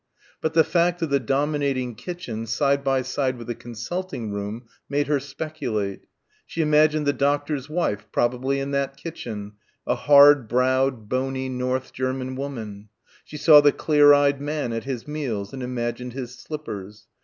But the fact of the dominating kitchen side by side with the consulting room made her speculate. She imagined the doctor's wife, probably in that kitchen, a hard browed bony North German woman. She saw the clear eyed man at his meals; and imagined his slippers.